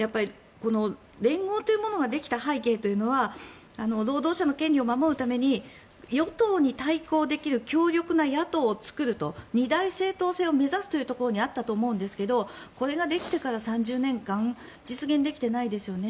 連合というものができた背景というのは労働者の権利を守るために与党に対抗できる強力な野党を作ると二大政党制を目指すというところにあったと思うんですけどこれができてから３０年間実現できてないですよね。